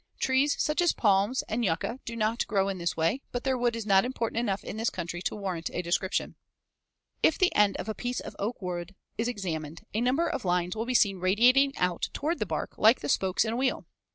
Trees such as palms and yucca do not grow in this way, but their wood is not important enough in this country to warrant a description. [Illustration: FIG. 146. White Oak Wood. (Magnified 20 times.)] If the end of a piece of oak wood is examined, a number of lines will be seen radiating out toward the bark like the spokes in a wheel.